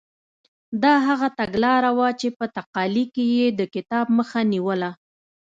دا هغه تګلاره وه چې په تقالي کې یې د کتاب مخه نیوله.